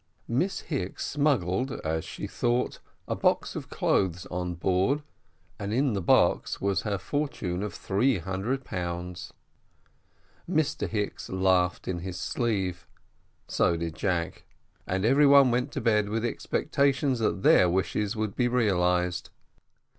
Miss Hicks smuggled, as she thought, a box of clothes on board, and in the box was her fortune of three hundred dollars. Mr Hicks laughed in his sleeve, so did Jack; and every one went to bed, with expectations that their wishes would be realised.